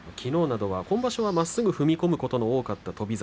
今場所は、まっすぐ踏み込むことが多かった翔猿。